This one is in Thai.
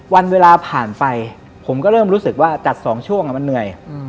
วันเวลาผ่านไปผมก็เริ่มรู้สึกว่าจัด๒ช่วงมันเหนื่อย